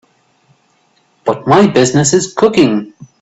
But my business is cooking.